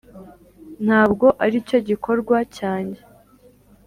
ntabwo aricyo gikorwa cyanjye.